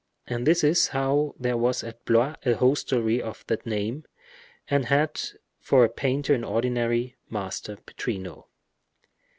And this is how there was at Blois a hostelry of that name, and had for a painter in ordinary Master Pittrino.